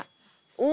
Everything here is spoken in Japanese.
お！